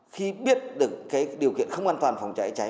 khi biết được cái điều kiện không an toàn phòng cháy cháy